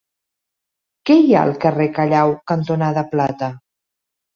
Què hi ha al carrer Callao cantonada Plata?